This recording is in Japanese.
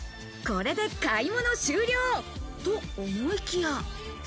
これで買い物終了と思いきや。